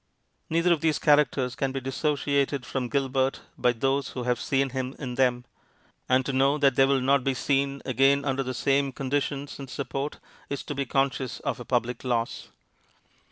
Neither of these characters can be dissociated from Gilbert by those who have seen him in them, and to know that they will not be seen again under the same conditions and support is to be conscious of a public loss.